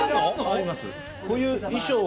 あります。